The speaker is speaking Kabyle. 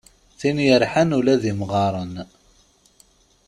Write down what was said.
Tin yerḥan ula d imɣaren.